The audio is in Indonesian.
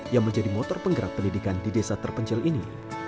yang menjadi motor penggerak pendidikan di desa terpencil ini